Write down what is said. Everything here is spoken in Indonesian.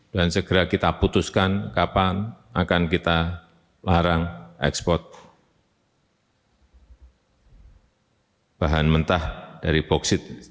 dan segera kita putuskan kapan akan kita larang ekspor bahan mentah dari boksit